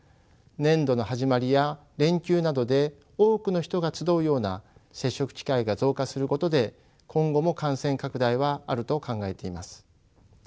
年度の始まりや連休などで多くの人が集うような接触機会が増加することで今後も感染拡大はあると考えています。